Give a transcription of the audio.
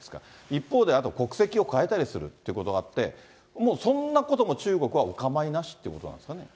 一方で、国籍をかえたりするということがあって、もうそんなことも中国はお構いなしっていうことなんですかね。